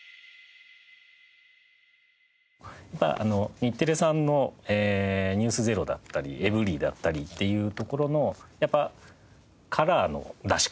日テレさんの『ｎｅｗｓｚｅｒｏ』だったり『ｅｖｅｒｙ．』だったりっていうところのやっぱりカラーの出し方。